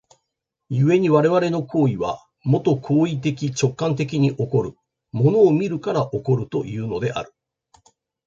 故に我々の行為は、もと行為的直観的に起こる、物を見るから起こるというのである。